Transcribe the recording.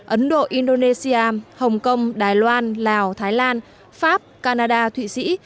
ấn độ indonesia hồng kông đài loan lào thái lan pháp canada thụy sĩ